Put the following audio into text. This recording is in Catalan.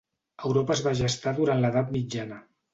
Europa es va gestar durant l’edat mitjana.